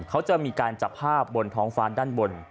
เขาจะมีการจับภาพบนท้องฟ้าด้านบน